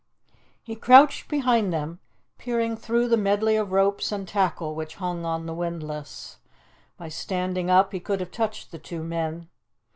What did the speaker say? He crouched behind them, peering through the medley of ropes and tackle which hung on the windlass. By standing up he could have touched the two men.